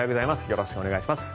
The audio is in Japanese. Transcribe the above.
よろしくお願いします。